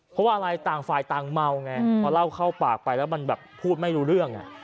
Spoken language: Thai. เพราะว่าอะไรต่างฝ่ายต่างเมาไงพอเล่าเข้าปากไปแล้วมันแบบพูดไม่รู้เรื่อง